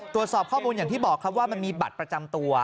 ตรวจสอบข้อมูลอย่างที่บอกครับว่ามันมีบัตรประจำตัว